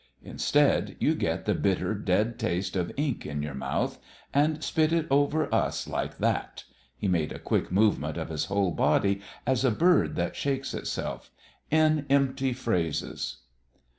Instead, you get the bitter, dead taste of ink in your mouth, and spit it over us like that" he made a quick movement of his whole body as a bird that shakes itself "in empty phrases."